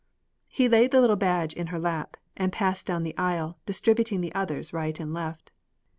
He laid the little badge in her lap, and passed down the aisle, distributing the others right and left.